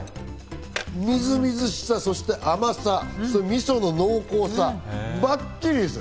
みずみずしさ、そして甘さ、みその濃厚さ、ばっちりです。